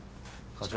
課長。